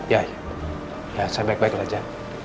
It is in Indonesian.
ya saya baik baik aja